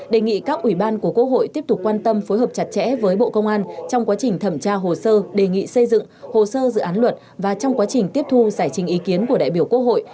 đề nghị các ủy ban của quốc hội tiếp tục quan tâm phối hợp chặt chẽ với bộ công an trong quá trình thẩm tra hồ sơ đề nghị xây dựng hồ sơ dự án luật và trong quá trình tiếp thu giải trình ý kiến của đại biểu quốc hội